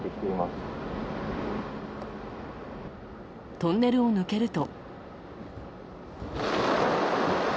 トンネルを抜けると。